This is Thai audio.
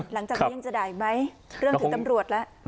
หลังจากนี้ยังจะด่าอีกไหมเรื่องถึงตำรวจแล้ว